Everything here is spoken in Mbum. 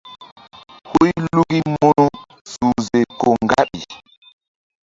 Huy luki munu uhze ko ŋgaɓi.